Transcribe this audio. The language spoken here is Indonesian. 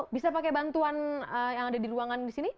bisa pakai bantuan yang ada di ruangan disini